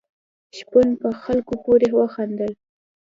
شپون په خلکو پورې وخندل.